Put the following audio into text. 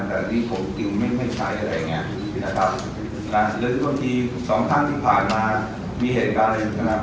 แต่ตอนนี้ผมก็ไม่ใช้อะไรอย่างนี้นะครับหรือบางทีสองท่านที่ผ่านมามีเหตุการณ์อะไรอย่างนี้นะ